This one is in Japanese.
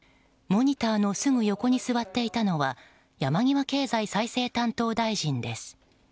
モニターのすぐ横に座っていたのは山際経済再生担当大臣です。